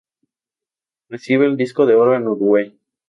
Recibe el disco de oro en Uruguay.